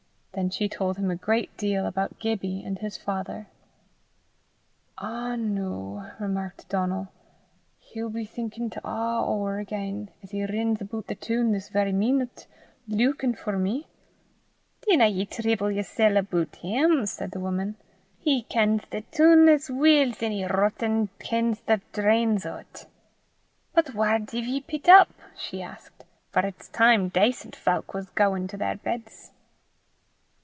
Then she told him a great deal about Gibbie and his father. "An' noo," remarked Donal, "he'll be thinkin' 't a' ower again, as he rins aboot the toon this verra meenute, luikin' for me!" "Dinna ye trible yersel' aboot him," said the woman. "He kens the toon as weel 's ony rottan kens the drains o' 't. But whaur div ye pit up?" she added, "for it's time dacent fowk was gauin' to their beds."